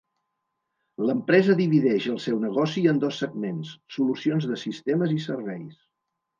L'empresa divideix el seu negoci en dos segments: solucions de sistemes i serveis.